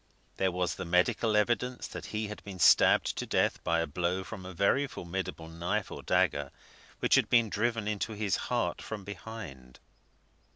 There was the medical evidence that he had been stabbed to death by a blow from a very formidable knife or dagger, which had been driven into his heart from behind.